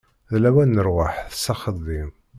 D lawan n rrwaḥ s axeddim.